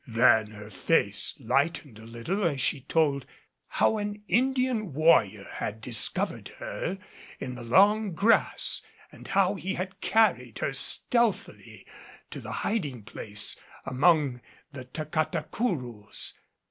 Then her face lightened a little as she told how an Indian warrior had discovered her in the long grass and how he had carried her stealthily to the hiding place among the Tacatacourous.